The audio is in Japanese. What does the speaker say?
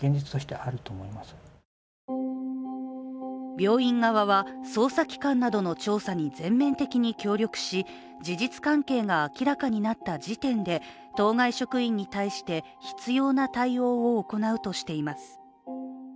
病院側は捜査機関などの調査に全面的に協力し事実関係が明らかになった時点で当該職員に対して必要な対応を行うとしています。